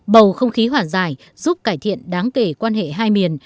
bầu không khí hoàn dài giúp cải thiện đáng kể quan hệ hai miền